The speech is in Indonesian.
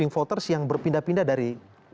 wing voters yang berpindah pindah dari